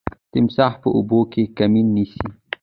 تمساح په اوبو کي کمین نیسي.